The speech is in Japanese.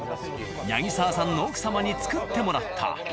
八木澤さんの奥様に作ってもらった。